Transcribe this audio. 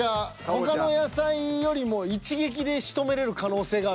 他の野菜よりも一撃でしとめれる可能性がある。